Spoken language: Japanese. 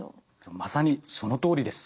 まさにそのとおりです。